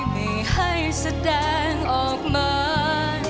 ไม่ให้แสดงออกมา